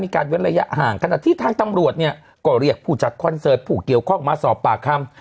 เว้นระยะห่างขณะที่ทางตำรวจเนี่ยก็เรียกผู้จัดคอนเสิร์ตผู้เกี่ยวข้องมาสอบปากคำ